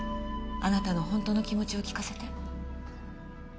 あなたの本当の気持ちを聞かせて。